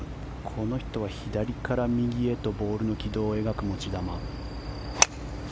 この人は左から右へとボールの軌道を描く持ち球。